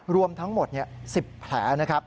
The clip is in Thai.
รวมทั้งหมด๑๐แผล